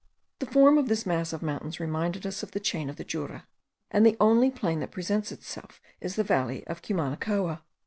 The form of this mass of mountains reminded us of the chain of the Jura; and the only plain that presents itself is the valley of Cumanacoa.